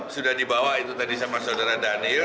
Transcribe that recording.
sudah dibawa itu tadi sama saudara daniel